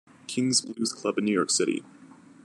King's Blues Club in New York City.